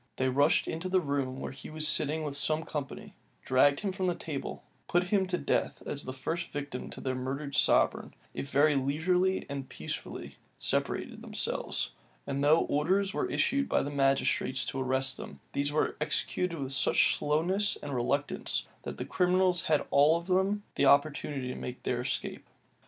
They rushed into the room where he was sitting with some company; dragged him from the table; put him to death as the first victim to their murdered sovereign f very leisurely and peaceably separated themselves; and though orders were issued by the magistrates to arrest them, these were executed with such slowness and reluctance, that the criminals had all of them the opportunity of making their escape.